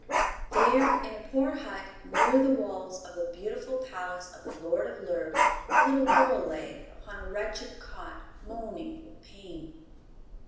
There, in a poor hut near the walls of the beautiful palace of the Lord of Lerd, a little girl lay upon a wretched cot, moaning with pain.